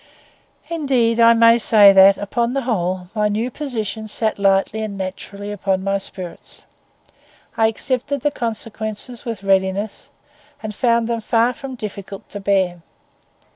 Indeed I may say that, upon the whole, my new position sat lightly and naturally upon my spirits. I accepted the consequences with readiness, and found them far from difficult to bear.